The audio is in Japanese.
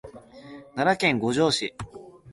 奈良県五條市